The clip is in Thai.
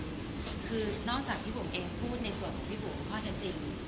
คือนอกจากพี่บุ๋มเองพูดในส่วนของพี่บุ๋มข้อเท็จจริง